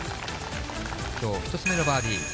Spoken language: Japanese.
きょう１つ目のバーディー。